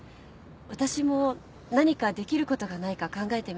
私も何かできることがないか考えてみる。